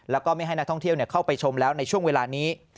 แล้วก็ไม่ให้นักท่องเที่ยวเข้าไปชมแล้วในช่วงเวลานี้